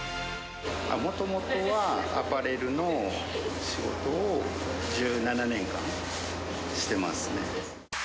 もともとは、アパレルの仕事を１７年間してますね。